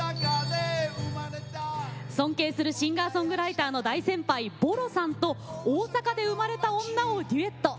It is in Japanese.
尊敬するシンガーソングライターの大先輩ＢＯＲＯさんと「大阪で生まれた女」をデュエット。